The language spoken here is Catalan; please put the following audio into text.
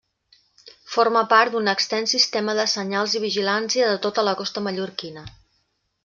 Forma part d'un extens sistema de senyals i vigilància de tota la costa Mallorquina.